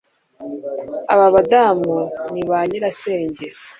Aba badamu ni ba nyirasenge